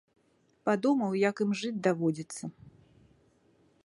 Падумаў, як ім жыць даводзіцца.